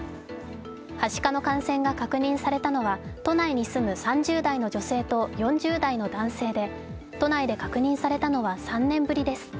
はしかの感染が確認されたのは都内に住む３０代の女性と４０代の男性で都内で確認されたのは３年ぶりです。